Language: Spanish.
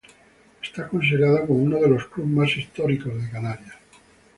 Es considerado como uno de los clubs más históricos de Canarias.